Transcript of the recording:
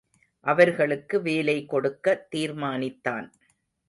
அவர்களுக்கு வேலைக்கொடுக்க தீர்மானித்தான்.